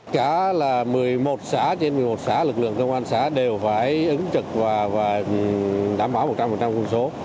cả là một mươi một xã trên một mươi một xã lực lượng công an xã đều phải ứng trực và đảm bảo một trăm linh quân số